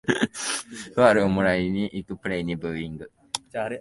ファールをもらいにいくプレイにブーイング